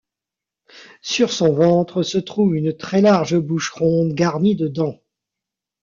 Sur son ventre se trouve une très large bouche ronde garnie de dents.